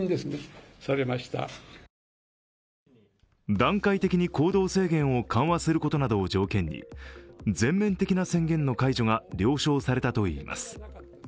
段階的に行動制限を緩和することなどを条件に全面的な宣言の解除が了承されたといいます。